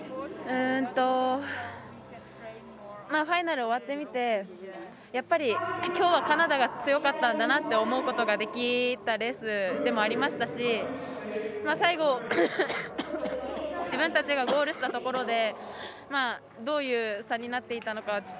ファイナル終わってみてやっぱり、きょうはカナダが強かったんだなと思うことができたレースでもありましたし最後、自分たちがゴールしたところでどういう差になっていたのか